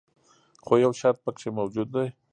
خو یو شرط پکې موجود دی.